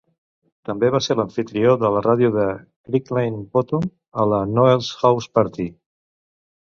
També va ser l'amfitrió de la ràdio de Crinkley Bottom a la "Noel's House Party".